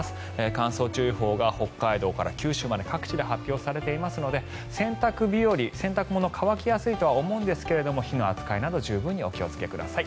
乾燥注意報が北海道から九州の各地で発表されていますので洗濯日和洗濯物が乾きやすいとは思うんですが火の扱いなど十分にお気をつけください。